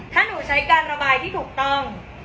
ถ้าหนูใช้การระบายที่ถูกต้อง